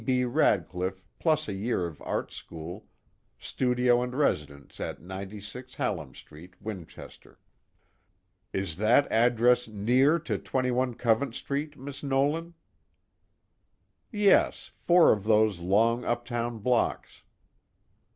B. Radcliffe plus a year of art school, studio and residence at 96 Hallam Street, Winchester. "Is that address near to 21 Covent Street, Miss Nolan?" "Yes, four of those long uptown blocks."